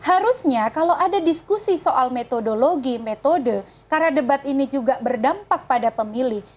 harusnya kalau ada diskusi soal metodologi metode karena debat ini juga berdampak pada pemilih